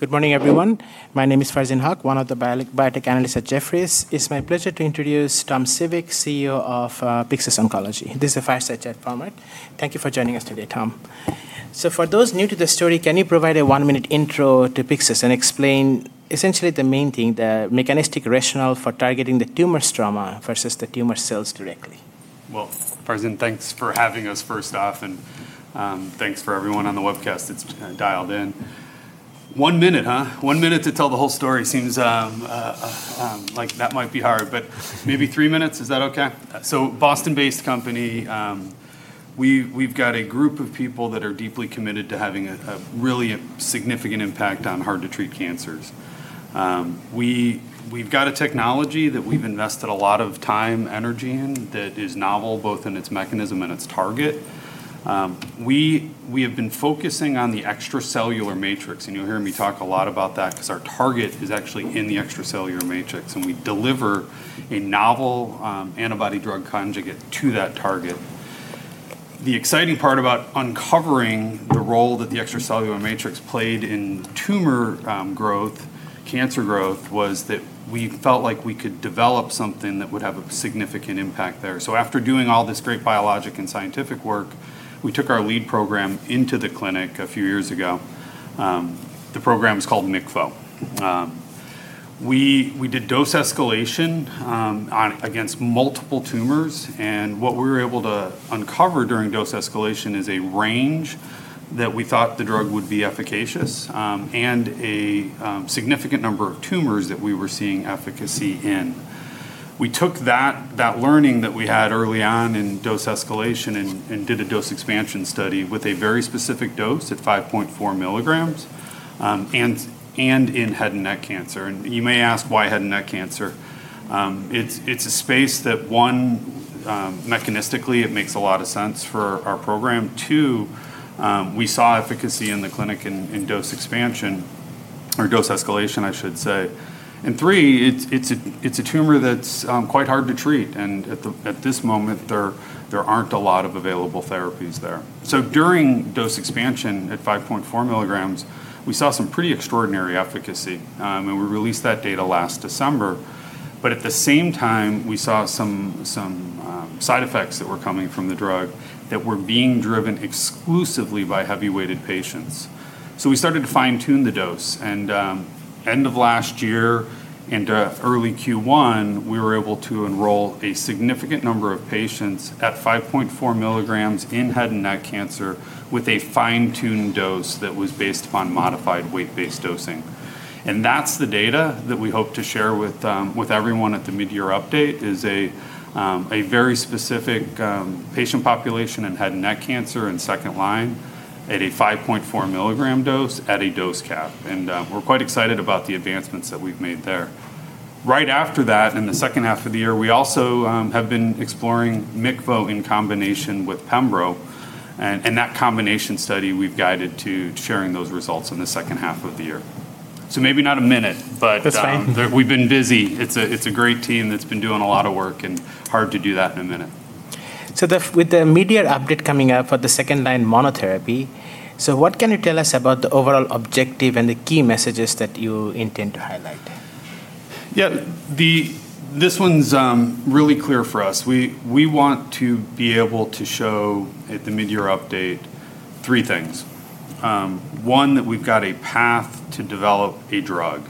Good morning, everyone. My name is Farzin Haque, one of the biotech analysts at Jefferies. It's my pleasure to introduce Thomas Civik, CEO of Pyxis Oncology. This is a fireside chat format. Thank you for joining us today, Tom. For those new to the story, can you provide a one-minute intro to Pyxis and explain essentially the main thing, the mechanistic rationale for targeting the tumor stroma versus the tumor cells directly? Farzin, thanks for having us, first off, and thanks for everyone on the webcast that's dialed in. One minute, huh? One minute to tell the whole story seems like that might be hard, but maybe three minutes, is that okay? Boston-based company, we've got a group of people that are deeply committed to having a really significant impact on hard-to-treat cancers. We've got a technology that we've invested a lot of time, energy in that is novel both in its mechanism and its target. We have been focusing on the extracellular matrix, and you'll hear me talk a lot about that because our target is actually in the extracellular matrix, and we deliver a novel antibody drug conjugate to that target. The exciting part about uncovering the role that the extracellular matrix played in tumor growth, cancer growth, was that we felt like we could develop something that would have a significant impact there. After doing all this great biologic and scientific work, we took our lead program into the clinic a few years ago. The program is called MICVO. We did dose escalation against multiple tumors, and what we were able to uncover during dose escalation is a range that we thought the drug would be efficacious, and a significant number of tumors that we were seeing efficacy in. We took that learning that we had early on in dose escalation and did a dose expansion study with a very specific dose at 5.4 milligrams and in head and neck cancer. You may ask, why head and neck cancer? It's a space that, one, mechanistically, it makes a lot of sense for our program. Two, we saw efficacy in the clinic in dose expansion or dose escalation, I should say. Three, it's a tumor that's quite hard to treat, and at this moment, there aren't a lot of available therapies there. During dose expansion at 5.4 milligrams, we saw some pretty extraordinary efficacy, and we released that data last December. At the same time, we saw some side effects that were coming from the drug that were being driven exclusively by heavy-weighted patients. We started to fine-tune the dose, and end of last year into early Q1, we were able to enroll a significant number of patients at 5.4 milligrams in head and neck cancer with a fine-tuned dose that was based upon modified weight-based dosing. That's the data that we hope to share with everyone at the mid-year update, is a very specific patient population in head and neck cancer in second-line at a 5.4-milligram dose at a dose cap. We're quite excited about the advancements that we've made there. Right after that, in the second half of the year, we also have been exploring MICVO in combination with pembrolizumab, that combination study we've guided to sharing those results in the second half of the year. That's fine We've been busy. It's a great team that's been doing a lot of work, and hard to do that in a minute. With the mid-year update coming up for the second-line monotherapy, so what can you tell us about the overall objective and the key messages that you intend to highlight? Yeah. This one's really clear for us. We want to be able to show at the mid-year update three things. One, that we've got a path to develop a drug,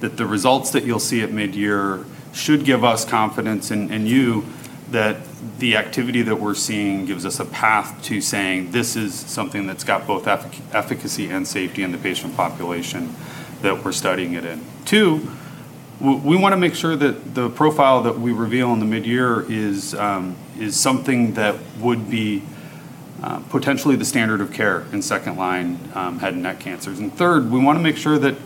that the results that you'll see at mid-year should give us confidence, and you, that the activity that we're seeing gives us a path to saying this is something that's got both efficacy and safety in the patient population that we're studying it in. Two, we want to make sure that the profile that we reveal in the mid-year is something that would be potentially the standard of care in second-line head and neck cancers. Third, we want to make sure that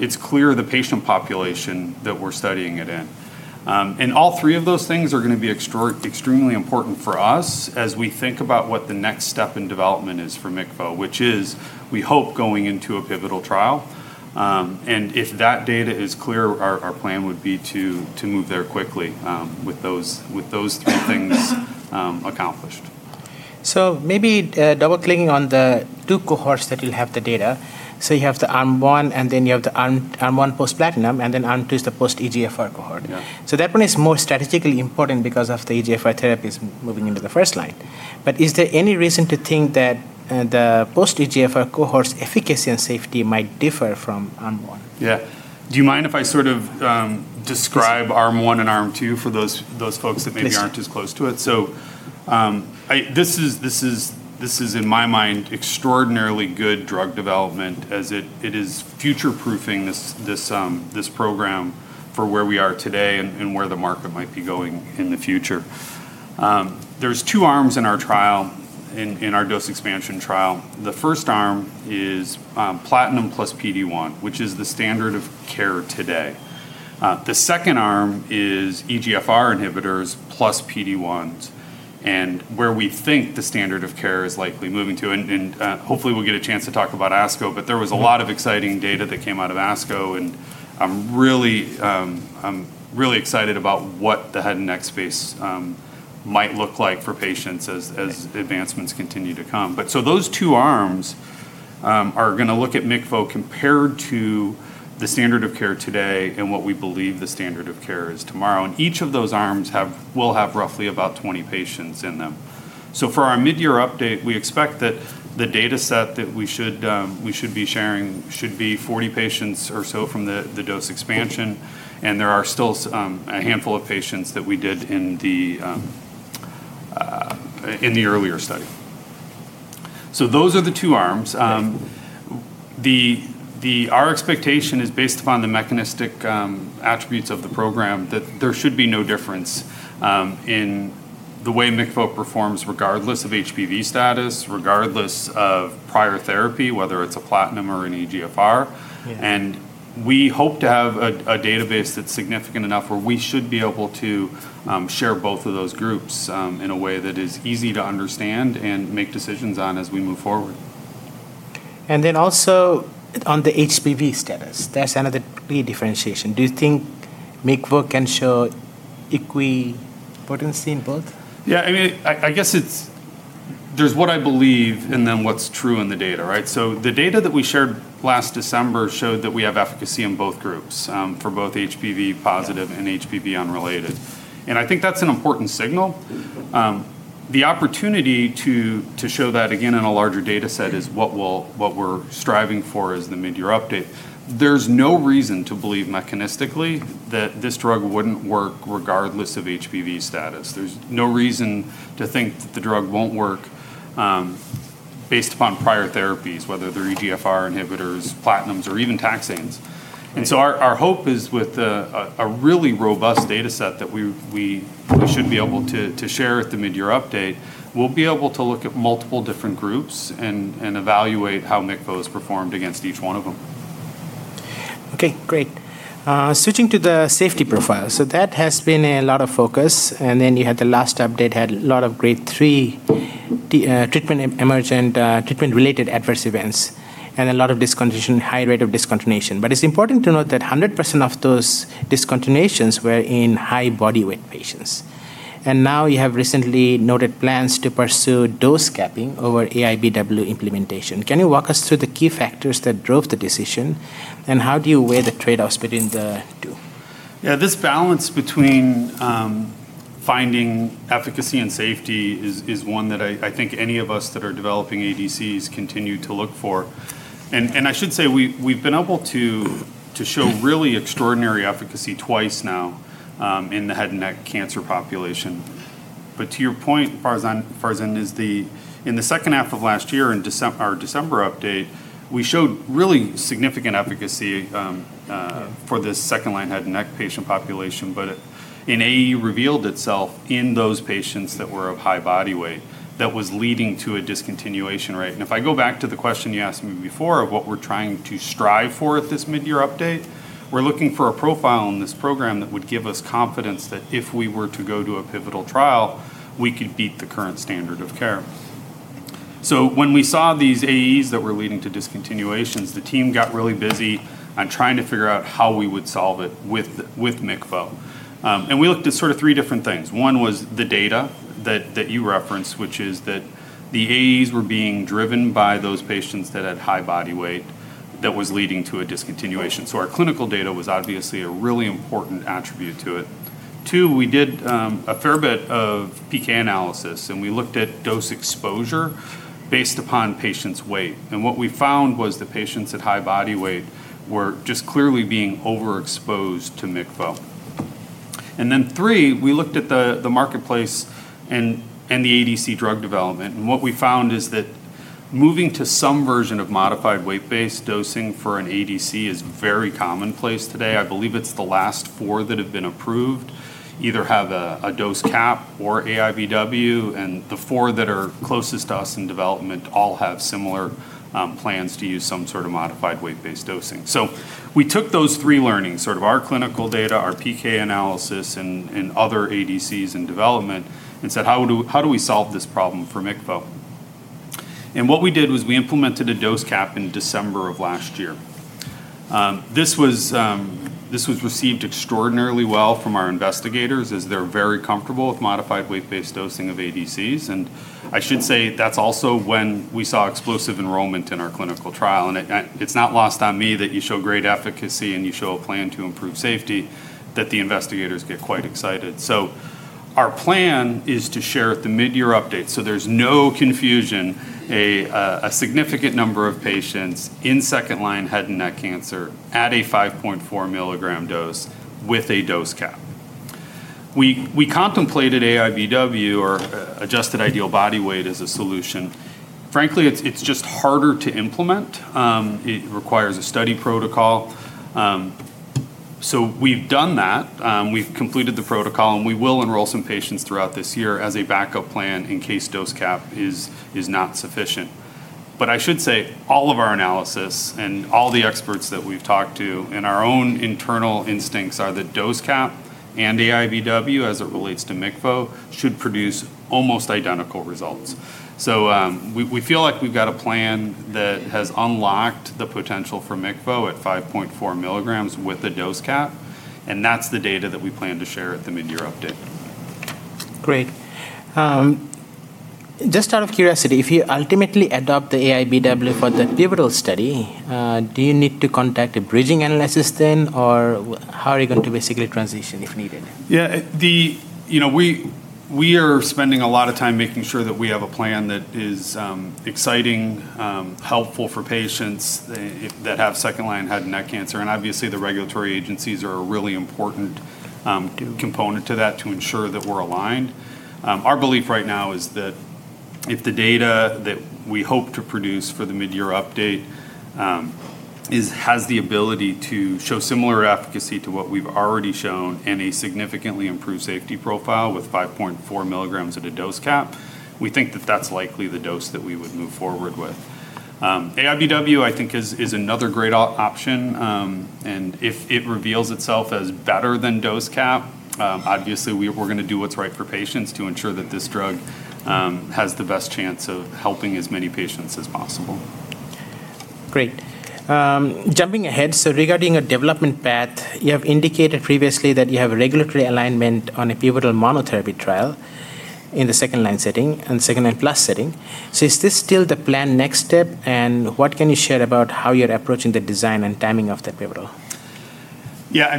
it's clear the patient population that we're studying it in. All three of those things are going to be extremely important for us as we think about what the next step in development is for MICVO, which is, we hope, going into a pivotal trial. If that data is clear, our plan would be to move there quickly with those three things accomplished. Maybe double-clicking on the two cohorts that will have the data. You have the arm one, and then you have the arm one post-platinum, and then arm two is the post-EGFR cohort. Yeah. That one is more strategically important because of the EGFR therapies moving into the first line. Is there any reason to think that the post-EGFR cohort's efficacy and safety might differ from arm one? Yeah. Do you mind if I sort of describe arm one and arm two for those folks that maybe aren't as close to it? Please. This is, in my mind, extraordinarily good drug development as it is future-proofing this program for where we are today and where the market might be going in the future. There's two arms in our trial, in our dose expansion trial. The first arm is platinum plus PD-1, which is the standard of care today. The second arm is EGFR inhibitors plus PD-1s, and where we think the standard of care is likely moving to, and hopefully we'll get a chance to talk about ASCO, but there was a lot of exciting data that came out of ASCO, and I'm really excited about what the head and neck space might look like for patients as advancements continue to come. Those two arms are going to look at MICVO compared to the standard of care today and what we believe the standard of care is tomorrow, and each of those arms will have roughly about 20 patients in them. For our midyear update, we expect that the data set that we should be sharing should be 40 patients or so from the dose expansion, and there are still a handful of patients that we did in the earlier study. Those are the two arms. Our expectation is based upon the mechanistic attributes of the program that there should be no difference in the way MICVO performs regardless of HPV status, regardless of prior therapy, whether it's a platinum or an EGFR. Yeah. We hope to have a database that's significant enough where we should be able to share both of those groups in a way that is easy to understand and make decisions on as we move forward. Also on the HPV status, that's another key differentiation. Do you think MICVO can show equipotency in both? Yeah, I guess it's, there's what I believe and then what's true in the data, right? The data that we shared last December showed that we have efficacy in both groups, for both HPV positive and HPV unrelated. I think that's an important signal. The opportunity to show that again in a larger data set is what we're striving for as the midyear update. There's no reason to believe mechanistically that this drug wouldn't work regardless of HPV status. There's no reason to think that the drug won't work based upon prior therapies, whether they're EGFR inhibitors, platinums, or even taxanes. Our hope is with a really robust data set that we should be able to share at the midyear update, we'll be able to look at multiple different groups and evaluate how MICVO has performed against each one of them. Okay, great. Switching to the safety profile, so that has been a lot of focus, and then you had the last update had a lot of grade three treatment-related adverse events and a lot of discontinuation, high rate of discontinuation. It's important to note that 100% of those discontinuations were in high body weight patients. Now you have recently noted plans to pursue dose capping over AIBW implementation. Can you walk us through the key factors that drove the decision, and how do you weigh the trade-offs between the two? Yeah, this balance between finding efficacy and safety is one that I think any of us that are developing ADCs continue to look for. I should say we've been able to show really extraordinary efficacy twice now in the head and neck cancer population. To your point, Farzin, is in the second half of last year in our December update, we showed really significant efficacy for this second-line head and neck patient population, but an AE revealed itself in those patients that were of high body weight that was leading to a discontinuation rate. If I go back to the question you asked me before of what we're trying to strive for at this midyear update, we're looking for a profile in this program that would give us confidence that if we were to go to a pivotal trial, we could beat the current standard of care. When we saw these AEs that were leading to discontinuations, the team got really busy on trying to figure out how we would solve it with MICVO. We looked at three different things. One was the data that you referenced, which is that the AEs were being driven by those patients that had high body weight that was leading to a discontinuation. Our clinical data was obviously a really important attribute to it. Two, we did a fair bit of PK analysis, and we looked at dose exposure based upon patients' weight. What we found was the patients at high body weight were just clearly being overexposed to MICVO. Then three, we looked at the marketplace and the ADC drug development, and what we found is that moving to some version of modified weight-based dosing for an ADC is very commonplace today. I believe it's the last four that have been approved either have a dose cap or AIBW, and the four that are closest to us in development all have similar plans to use some sort of modified weight-based dosing. We took those three learnings, our clinical data, our PK analysis, and other ADCs in development and said, "How do we solve this problem for MICVO?" What we did was we implemented a dose cap in December of last year. This was received extraordinarily well from our investigators as they're very comfortable with modified weight-based dosing of ADCs. I should say that's also when we saw explosive enrollment in our clinical trial, and it's not lost on me that you show great efficacy and you show a plan to improve safety, that the investigators get quite excited. Our plan is to share at the midyear update, so there's no confusion, a significant number of patients in second-line head and neck cancer at a 5.4 mg dose with a dose cap. We contemplated AIBW or adjusted ideal body weight as a solution. Frankly, it's just harder to implement. It requires a study protocol. We've done that. We've completed the protocol, and we will enroll some patients throughout this year as a backup plan in case dose cap is not sufficient. I should say all of our analysis and all the experts that we've talked to and our own internal instincts are that dose cap and AIBW as it relates to MICVO should produce almost identical results. We feel like we've got a plan that has unlocked the potential for MICVO at 5.4 milligrams with a dose cap, and that's the data that we plan to share at the midyear update. Great. Just out of curiosity, if you ultimately adopt the AIBW for the pivotal study, do you need to contact a bridging analysis then, or how are you going to basically transition if needed? Yeah. We are spending a lot of time making sure that we have a plan that is exciting, helpful for patients that have second-line head and neck cancer. Obviously, the regulatory agencies are a really important component to that to ensure that we're aligned. Our belief right now is that if the data that we hope to produce for the mid-year update has the ability to show similar efficacy to what we've already shown and a significantly improved safety profile with 5.4 milligrams at a dose cap, we think that that's likely the dose that we would move forward with. AIBW, I think, is another great option. If it reveals itself as better than dose cap, obviously, we're going to do what's right for patients to ensure that this drug has the best chance of helping as many patients as possible. Great. Jumping ahead, regarding a development path, you have indicated previously that you have a regulatory alignment on a pivotal monotherapy trial in the second-line setting and second-line plus setting. Is this still the plan next step, and what can you share about how you're approaching the design and timing of that pivotal? Yeah.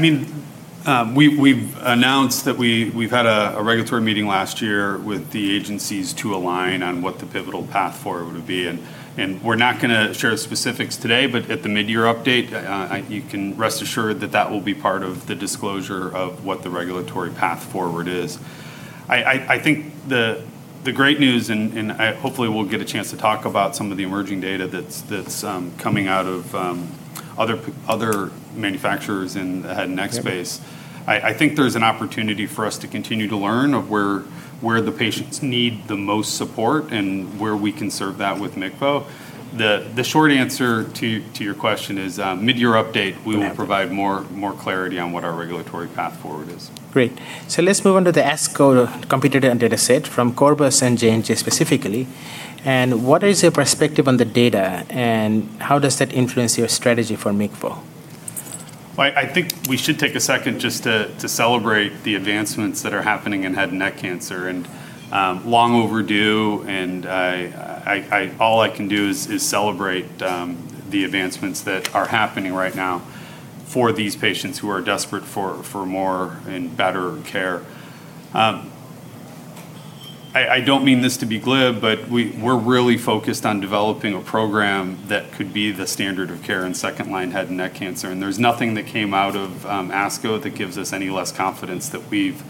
We've announced that we've had a regulatory meeting last year with the agencies to align on what the pivotal path forward would be. We're not going to share specifics today, but at the mid-year update, you can rest assured that that will be part of the disclosure of what the regulatory path forward is. I think the great news, and hopefully we'll get a chance to talk about some of the emerging data that's coming out of other manufacturers in the head and neck space. I think there's an opportunity for us to continue to learn of where the patients need the most support and where we can serve that with MICVO. The short answer to your question is mid-year update, we will provide more clarity on what our regulatory path forward is. Great. let's move on to the ASCO poster and dataset from Corbus and J&J specifically. What is your perspective on the data, and how does that influence your strategy for MICVO? I think we should take a second just to celebrate the advancements that are happening in head and neck cancer, long overdue. All I can do is celebrate the advancements that are happening right now for these patients who are desperate for more and better care. I don't mean this to be glib, but we're really focused on developing a program that could be the standard of care in second-line head and neck cancer. There's nothing that came out of ASCO that gives us any less confidence that we've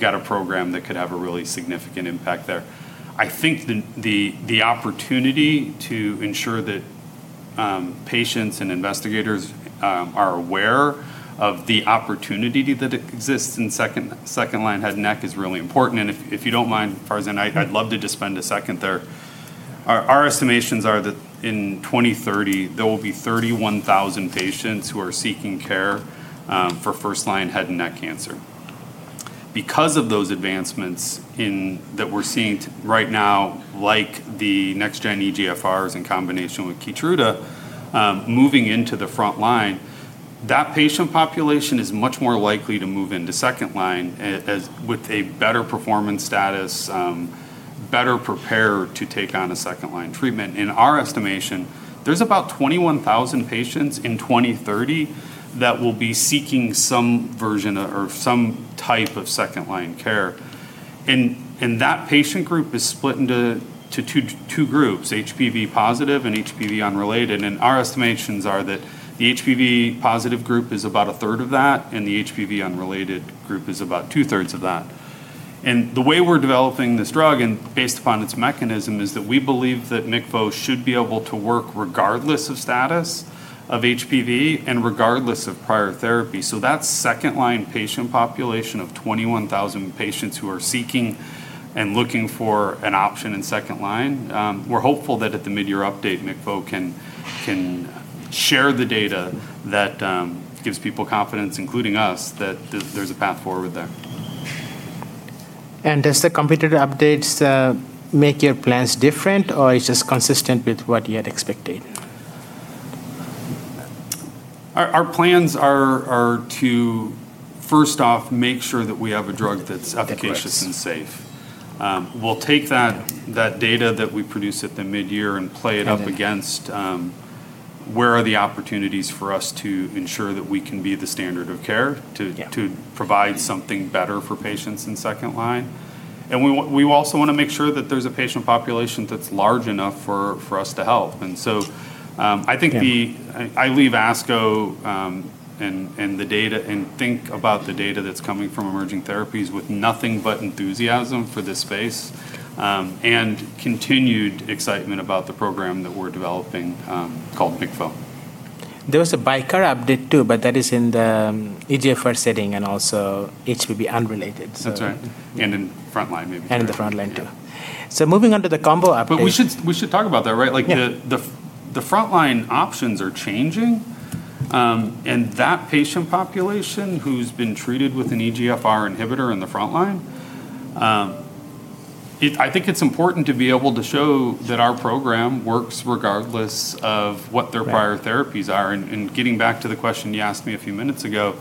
got a program that could have a really significant impact there. I think the opportunity to ensure that patients and investigators are aware of the opportunity that exists in second-line head and neck is really important. If you don't mind, Farzin, I'd love to just spend a second there. Our estimations are that in 2030, there will be 31,000 patients who are seeking care for first-line head and neck cancer. Because of those advancements that we're seeing right now, like the next gen EGFRs in combination with KEYTRUDA, moving into the front line, that patient population is much more likely to move into second-line with a better performance status, better prepared to take on a second-line treatment. In our estimation, there's about 21,000 patients in 2030 that will be seeking some version or some type of second-line care. That patient group is split into two groups, HPV positive and HPV unrelated. Our estimations are that the HPV positive group is about a third of that, and the HPV unrelated group is about two-thirds of that. The way we're developing this drug and based upon its mechanism is that we believe that MICVO should be able to work regardless of status of HPV and regardless of prior therapy. That second-line patient population of 21,000 patients who are seeking and looking for an option in second-line, we're hopeful that at the mid-year update, MICVO can share the data that gives people confidence, including us, that there's a path forward there. Does the poster updates make your plans different, or it's just consistent with what you had expected? Our plans are to first off make sure that we have a drug that's efficacious and safe. We'll take that data that we produce at the mid-year and play it up against where are the opportunities for us to ensure that we can be the standard of care to provide something better for patients in second-line. We also want to make sure that there's a patient population that's large enough for us to help. I leave ASCO and think about the data that's coming from emerging therapies with nothing but enthusiasm for this space, and continued excitement about the program that we're developing called MICVO. There was a Biocare update too, but that is in the EGFR setting and also HPV unrelated. That's right. In front line maybe. In the front line, too. Moving on to the combo update. We should talk about that, right? Yeah. The front line options are changing, and that patient population who's been treated with an EGFR inhibitor in the front line, I think it's important to be able to show that our program works regardless of what their prior therapies are. Getting back to the question you asked me a few minutes ago,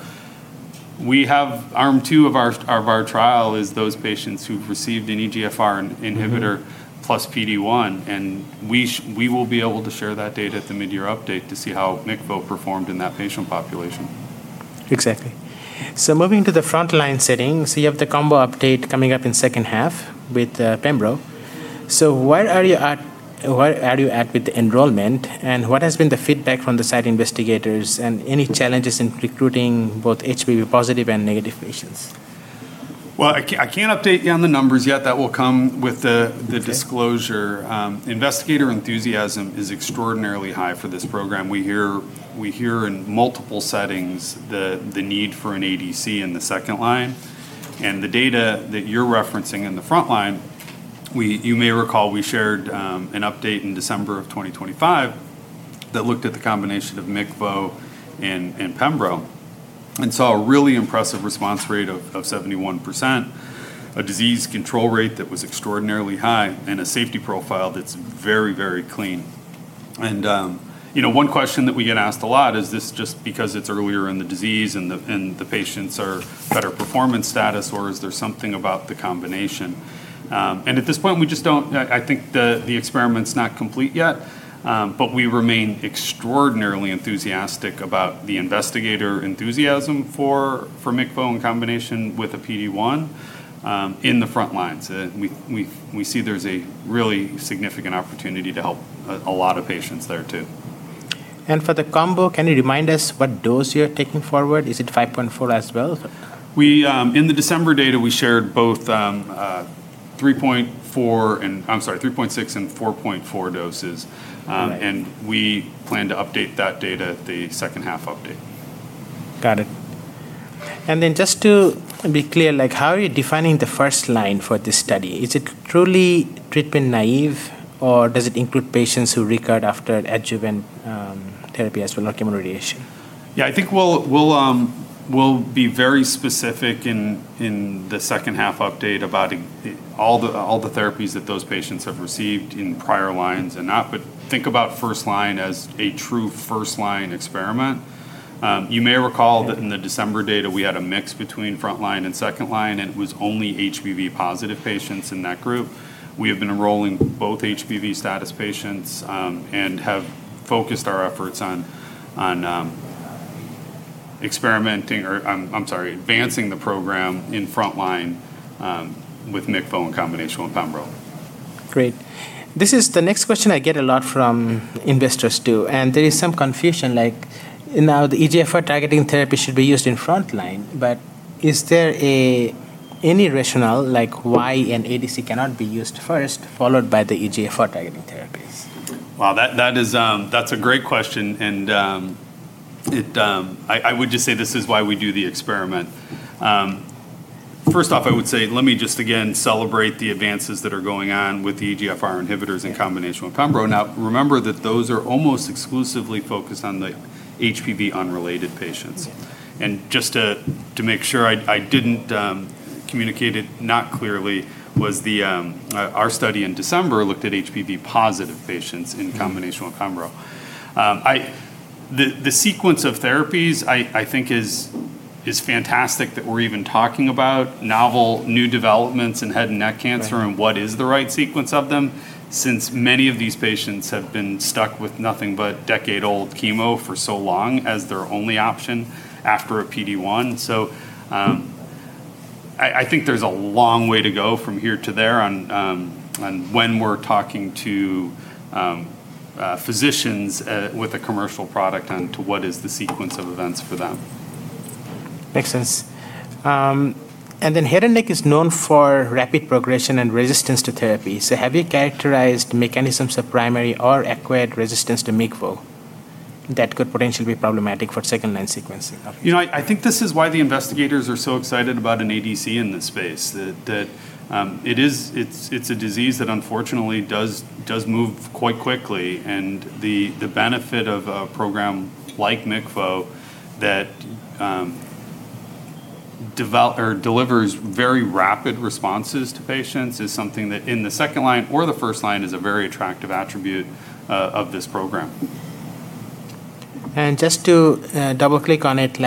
arm two of our trial is those patients who's received an EGFR inhibitor plus PD-1, and we will be able to share that data at the midyear update to see how MICVO performed in that patient population. Exactly. Moving to the frontline setting, you have the combo update coming up in second half with pembrolizumab. Where are you at with the enrollment, and what has been the feedback from the site investigators, and any challenges in recruiting both HPV positive and negative patients? Well, I can't update you on the numbers yet. That will come with the disclosure. Okay. Investigator enthusiasm is extraordinarily high for this program. We hear in multiple settings the need for an ADC in the second line, the data that you're referencing in the frontline, you may recall we shared an update in December of 2025 that looked at the combination of MICVO and pembrolizumab and saw a really impressive response rate of 71%, a disease control rate that was extraordinarily high, and a safety profile that's very, very clean. One question that we get asked a lot is this just because it's earlier in the disease and the patients are better performance status, or is there something about the combination? At this point, I think the experiment's not complete yet. We remain extraordinarily enthusiastic about the investigator enthusiasm for MICVO in combination with a PD-1 in the frontlines. We see there's a really significant opportunity to help a lot of patients there, too. For the combo, can you remind us what dose you're taking forward? Is it 5.4 as well? In the December data, we shared both 3.6 and 4.4 doses. Right. We plan to update that data at the second half update. Got it. Just to be clear, how are you defining the first line for this study? Is it truly treatment naive, or does it include patients who recur after adjuvant therapy as well, or chemoradiation? Yeah, I think we'll be very specific in the second half update about all the therapies that those patients have received in prior lines and not, but think about first line as a true first-line experiment. You may recall that in the December data, we had a mix between frontline and second line, and it was only HPV positive patients in that group. We have been enrolling both HPV status patients and have focused our efforts on advancing the program in frontline with MICVO in combination with pembrolizumab. Great. This is the next question I get a lot from investors, too, and there is some confusion like now the EGFR targeting therapy should be used in frontline, but is there any rationale why an ADC cannot be used first, followed by the EGFR-targeting therapies? Wow. That's a great question. I would just say this is why we do the experiment. First off, I would say, let me just again celebrate the advances that are going on with the EGFR inhibitors in combination with pembrolizumab. Remember that those are almost exclusively focused on the HPV-unrelated patients. Yeah. Just to make sure I didn't communicate it not clearly was our study in December looked at HPV positive patients in combination with pembrolizumab. The sequence of therapies I think is fantastic that we're even talking about novel new developments in head and neck cancer. Right What is the right sequence of them, since many of these patients have been stuck with nothing but decade-old chemo for so long as their only option after a PD-1. I think there's a long way to go from here to there on when we're talking to physicians with a commercial product onto what is the sequence of events for them. Makes sense. Head and neck is known for rapid progression and resistance to therapy. Have you characterized mechanisms of primary or acquired resistance to MICVO that could potentially be problematic for second-line sequencing of patients? I think this is why the investigators are so excited about an ADC in this space, that it's a disease that unfortunately does move quite quickly. The benefit of a program like MICVO that delivers very rapid responses to patients is something that in the second line or the first line is a very attractive attribute of this program. Just to double-click on it,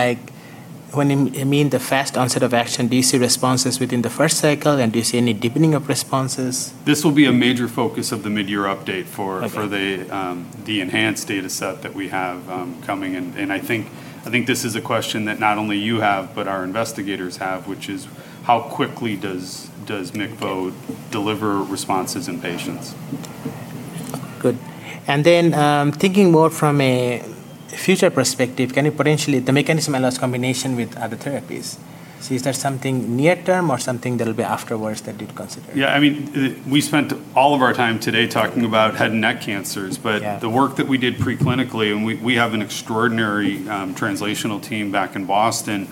when you mean the fast onset of action, do you see responses within the first cycle? Do you see any deepening of responses? This will be a major focus of the midyear update. Okay the enhanced data set that we have coming, and I think this is a question that not only you have, but our investigators have, which is how quickly does MICVO deliver responses in patients? Good. Thinking more from a future perspective, can you potentially, the mechanism allows combination with other therapies. Is there something near term or something that'll be afterwards that you'd consider? Yeah. We spent all of our time today talking about head and neck cancers. Yeah The work that we did preclinically, we have an extraordinary translational team back in Boston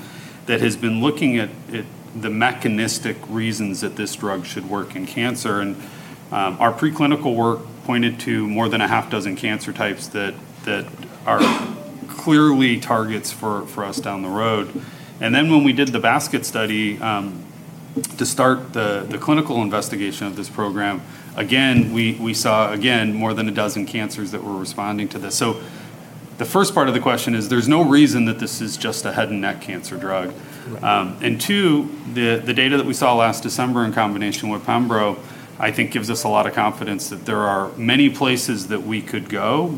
that has been looking at the mechanistic reasons that this drug should work in cancer. Our preclinical work pointed to more than a half dozen cancer types that are clearly targets for us down the road. When we did the basket study to start the clinical investigation of this program, again, we saw more than a dozen cancers that were responding to this. The first part of the question is there's no reason that this is just a head and neck cancer drug. Right. Two, the data that we saw last December in combination with pembro, I think gives us a lot of confidence that there are many places that we could go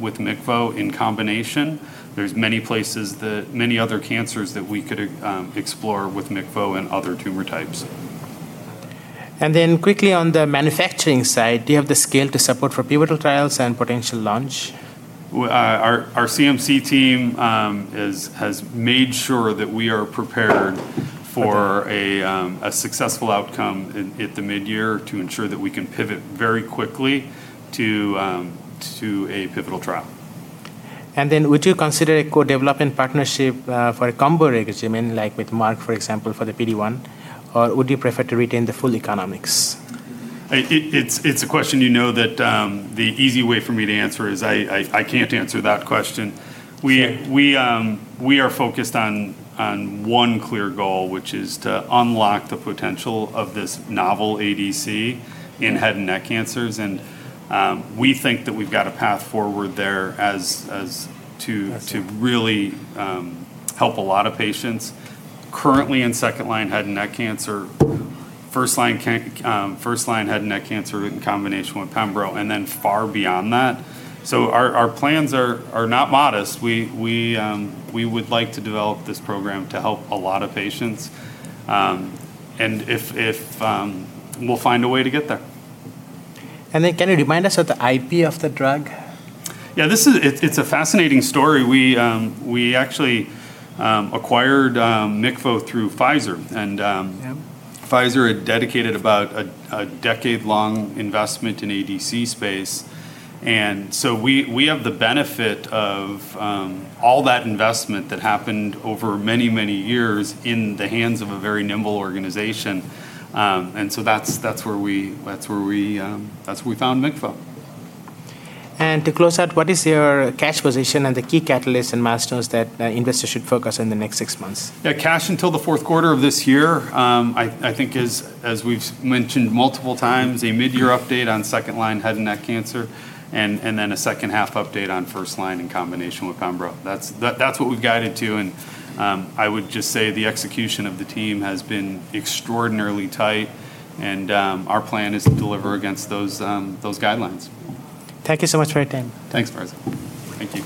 with MICVO in combination. There's many other cancers that we could explore with MICVO and other tumor types. Quickly on the manufacturing side, do you have the scale to support for pivotal trials and potential launch? Our CMC team has made sure that we are prepared for. Okay a successful outcome at the midyear to ensure that we can pivot very quickly to a pivotal trial. Would you consider a co-development partnership for a combo regimen, like with Merck, for example, for the PD-1? Would you prefer to retain the full economics? It's a question you know that the easy way for me to answer is I can't answer that question. Sure. We are focused on one clear goal, which is to unlock the potential of this novel ADC in head and neck cancers, and we think that we've got a path forward there. That's fine really help a lot of patients currently in second-line head and neck cancer, first line head and neck cancer in combination with pembro, and then far beyond that. Our plans are not modest. We would like to develop this program to help a lot of patients, and we'll find a way to get there. Can you remind us of the IP of the drug? Yeah. It's a fascinating story. We actually acquired MICVO through Pfizer. Yeah Pfizer had dedicated about a decade-long investment in ADC space. We have the benefit of all that investment that happened over many, many years in the hands of a very nimble organization. That's where we found MICVO. To close out, what is your cash position and the key catalysts and milestones that investors should focus on in the next six months? Cash until the Q4 of this year. I think as we've mentioned multiple times, a midyear update on two-line head and neck cancer and then a second-half update on 1-line in combination with pembro. That's what we've guided to, and I would just say the execution of the team has been extraordinarily tight, and our plan is to deliver against those guidelines. Thank you so much for your time. Thanks, Farzin. Thank you.